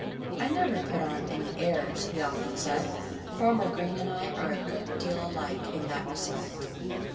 "I never put on any airs," he often said. "Farmer Green and I are a good deal alike in that respect."